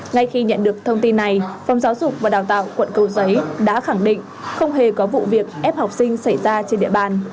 ngay khi nhận được thông tin này phòng giáo dục và đào tạo quận cầu giấy đã khẳng định không hề có vụ việc ép học sinh xảy ra trên địa bàn